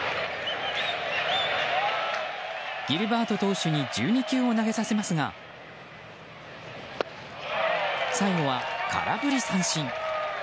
ギルバート投手に１２球を投げさせますが最後は空振り三振。